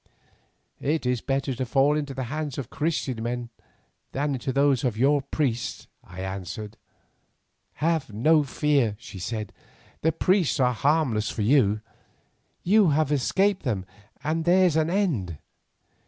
"It is better to fall into the hands of Christian men than into those of your priests," I answered. "Have no fear," she said; "the priests are harmless for you. You have escaped them and there's an end.